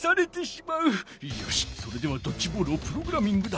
よしそれではドッジボールをプログラミングだ。